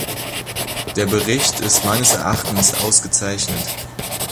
Der Bericht ist meines Erachtens ausgezeichnet.